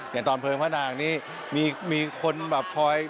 อย่างตอนเพลิงพระนางนี้มีคนแบบคอย